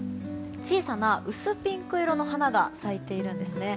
小さな薄ピンク色の花が咲いているんですね。